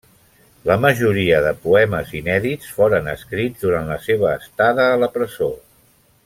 La majoria de poemes inèdits foren escrits durant la seva estada a la presó.